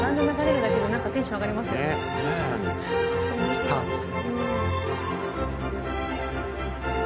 スターです。